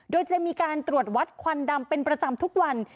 โดยจะมีการตรวจวัดควันดำเป็นประจำทุกวัน